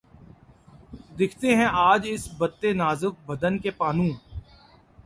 دکھتے ہیں آج اس بتِ نازک بدن کے پانو